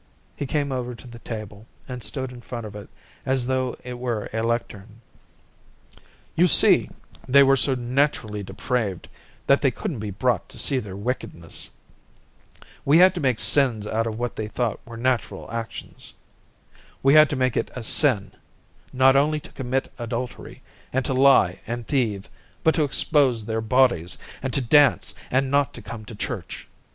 '" He came over to the table and stood in front of it as though it were a lectern. "You see, they were so naturally depraved that they couldn't be brought to see their wickedness. We had to make sins out of what they thought were natural actions. We had to make it a sin, not only to commit adultery and to lie and thieve, but to expose their bodies, and to dance and not to come to church.